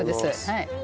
はい。